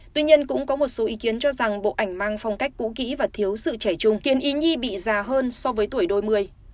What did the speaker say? tuy nhiên cũng có một số ý kiến cho rằng bộ ảnh mang phong cách cũ kỹ và thiếu sự chảy chung khiến ý nhi bị già hơn so với tuổi đôi mươi